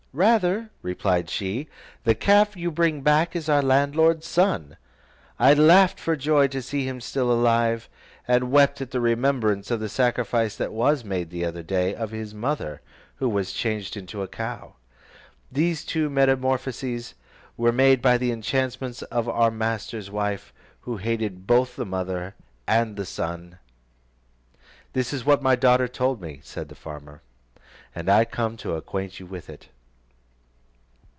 ' rather,' replied she, ' the calf you bring back is our landlord's son; I laughed for joy to see him still alive, and wept at the remembrance of the sacrifice that was made the other day of his mother, who was changed into a cow. These two metamorphoses were made by the enchantments of our master's wife, who hated both the mother and son.' This is what my daughter told me," said the farmer, "and I come to acquaint you with it."